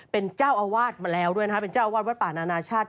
เป็นเจ้าอาวาสมาแล้วด้วยนะฮะเป็นเจ้าอาวาสวัดป่านานาชาติ